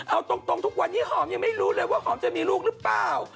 เอาตรงทุกวันนี้หอมยังไม่รู้เลยว่าหอมจะมีลูกหรือเปล่า